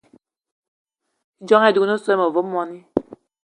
Ijon ayì dúgne so àyi ma ve mwani